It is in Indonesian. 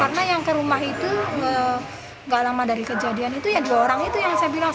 karena yang ke rumah itu gak lama dari kejadian itu ya dua orang itu yang saya bilang